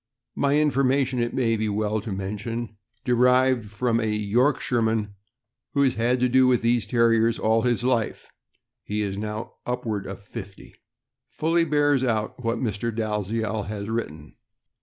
My information, it may be well to mention, derived from a Yorkshireman who has had to do with these Terriers all his life (he is now upward of fifty), fully bears out what Mr. Dalziel has written.